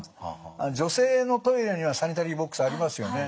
女性のトイレにはサニタリーボックスありますよね。